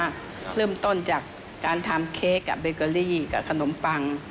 เริ่มต้นจากการทำเค้กกับเบเกอรี่กับขนมปัง